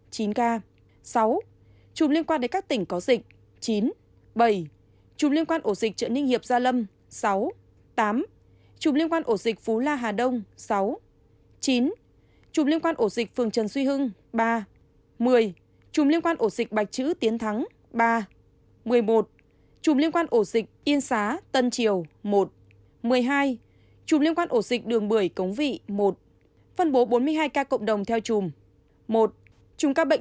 chín ca sáu chùm liên quan đến các tỉnh có dịch chín bảy chùm liên quan ổ dịch trợ ninh hiệp gia lâm sáu tám chùm liên quan ổ dịch phú la hà đông sáu chín chùm liên quan ổ dịch phường trần suy hưng ba một mươi chùm liên quan ổ dịch bạch chữ tiến thắng ba một mươi một chùm liên quan ổ dịch yên xá tân triều một một mươi hai chùm liên quan ổ dịch đường bưởi cống vị một phân bố bốn mươi hai ca cộng đồng theo chùm một chùm ca bệnh